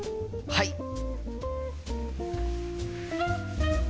はい！